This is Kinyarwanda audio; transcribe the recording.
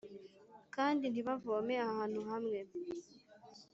kandi ntibavome ahantu hamwe